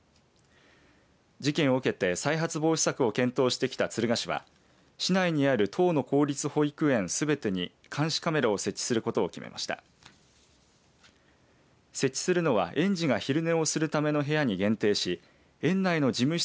事件を受けて再発防止策を検討してきた敦賀市は市内にある１０の公立保育園すべてに監視カメラを設置することを決めました。